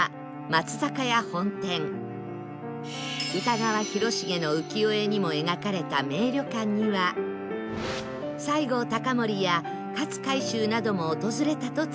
歌川広重の浮世絵にも描かれた名旅館には西郷隆盛や勝海舟なども訪れたと伝えられています